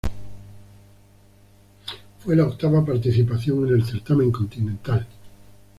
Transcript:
Fue la octava participación en el certamen continental.